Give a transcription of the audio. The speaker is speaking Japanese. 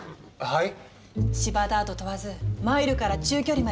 はい？